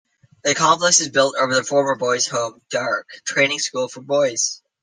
The complex is built over the former boys' home "Daruk Training School for Boys".